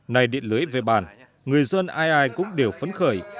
này điện lưới về bàn người dân ai ai cũng đều phấn khởi